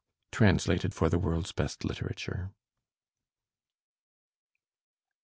Translated for the 'World's Best Literature.'